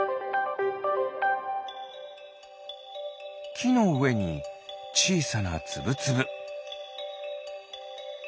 きのうえにちいさなツブツブ。